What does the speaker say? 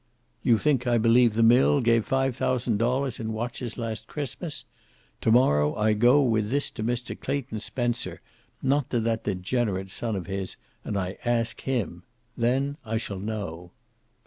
"You think I believe the mill gave five thousand dollars in watches last Christmas? To morrow I go, with this to Mr. Clayton Spencer, not to that degenerate son of his, and I ask him. Then I shall know."